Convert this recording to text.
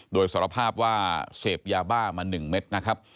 โดยสารภาพว่าเสพยาบ้ามา๑เม็ดนะครับ